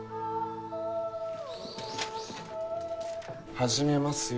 始めますよ。